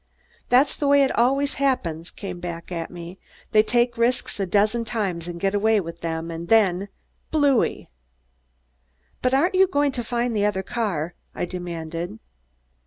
"That's the way it always happens," he came back at me; "they take risks a dozen times and get away with them, and then Blooey!!" "But aren't you going to find the other car?" I demanded.